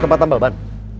tempat tambal ban